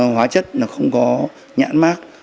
hóa chất là không có nhãn mát